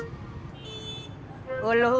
nanti dia mau ngasih surprise